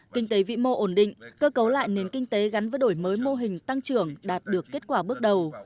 kinh tế vĩ mô ổn định cơ cấu lại nền kinh tế gắn với đổi mới mô hình tăng trưởng đạt được kết quả bước đầu